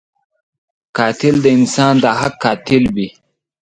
قاتل د انسان د حق قاتل وي